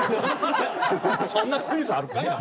そんなクイズあるかいな。